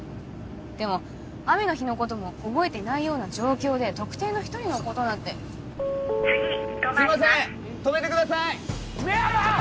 でも雨の日のことも覚えていないような状況で特定の１人のことなんてすいません止めてください！